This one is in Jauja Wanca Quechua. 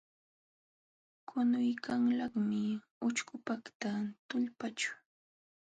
Qunuykanlaqmi ućhpakaq tullpaaćhu.